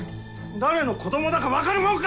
誰の子どもだか分かるもんか！